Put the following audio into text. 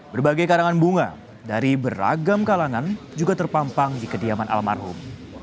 berbagai karangan bunga dari beragam kalangan juga terpampang di kediaman almarhum